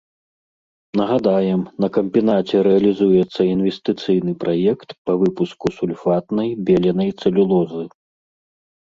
Нагадаем, на камбінаце рэалізуецца інвестыцыйны праект па выпуску сульфатнай беленай цэлюлозы.